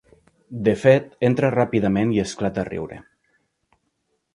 De fet, entra ràpidament i esclata a riure.